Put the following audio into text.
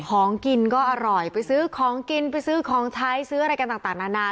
ของกินก็อร่อยไปซื้อของกินไปซื้อของใช้ซื้ออะไรกันต่างนานา